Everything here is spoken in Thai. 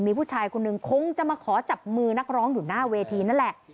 มีผู้ชายคนหนึ่งคงจะมาขอจับมือนักร้องอยู่หน้าเวทีนั่นแหละ